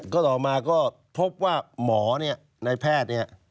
ก็ต่อมาก็พบว่าหมอเนี่ยในแพทย์เนี่ย